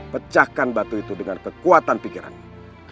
pecahkan batu itu dengan kekuatan pikirannya